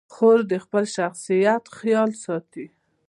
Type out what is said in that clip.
خور د خپل شخصیت خیال ساتي.